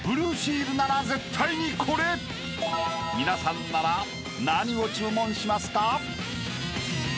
［皆さんなら何を注文しますか？］